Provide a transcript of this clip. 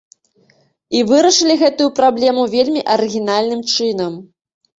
І вырашылі гэтую праблему вельмі арыгінальным чынам.